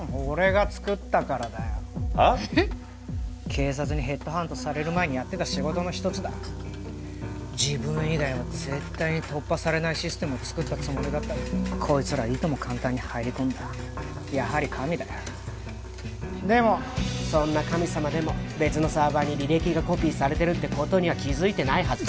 警察にヘッドハントされる前にやってた仕事の一つだ自分以外は絶対に突破されないシステムを作ったつもりだったがこいつらいとも簡単に入り込んだやはり神だよでもそんな神様でも別のサーバーに履歴がコピーされてるってことには気付いてないはずだ